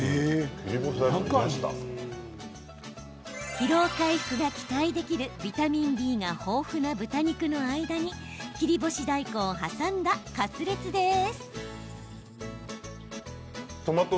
疲労回復が期待できるビタミンＢが豊富な豚肉の間に切り干し大根を挟んだカツレツです。